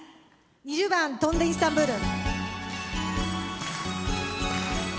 ２０番「飛んでイスタンブール」。